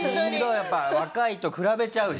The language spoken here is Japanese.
やっぱ若いと比べちゃうし。